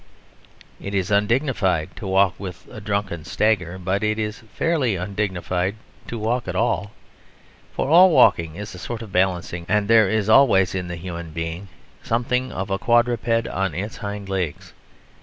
It is undignified to walk with a drunken stagger; but it is fairly undignified to walk at all, for all walking is a sort of balancing, and there is always in the human being something of a quadruped on its hind legs.